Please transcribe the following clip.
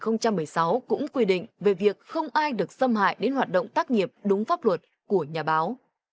năm hai nghìn một mươi sáu cũng quy định về việc không ai được xâm hại đến hoạt động tác nghiệp đúng pháp luật của nhà báo